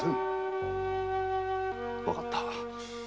わかった。